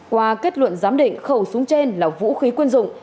qua kết luận giám định khẩu súng trên là vũ khí quân dụng